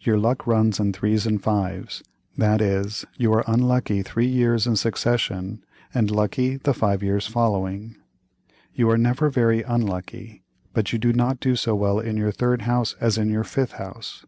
Your luck runs in threes and fives—that is, you are unlucky three years in succession, and lucky the five years following. You are never very unlucky, but you do not do so well in your third house as in your fifth house.